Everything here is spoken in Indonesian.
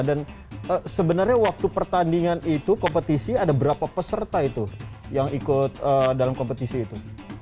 dan sebenarnya waktu pertandingan itu kompetisi ada berapa peserta itu yang ikut dalam kompetisi itu